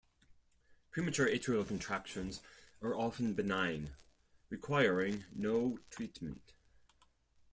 Premature atrial contractions are often benign, requiring no treatment.